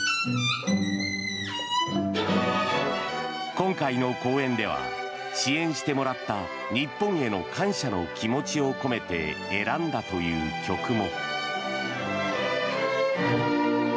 今回の公演では支援してもらった日本への感謝の気持ちを込めて選んだという曲も。